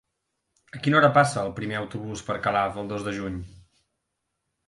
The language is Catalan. A quina hora passa el primer autobús per Calaf el dos de juny?